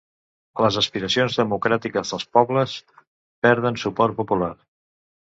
Les aspiracions democràtiques dels pobles perden suport popular